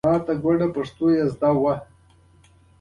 تر ټولو لوړې یې دېرشو مترو ته رسېدې.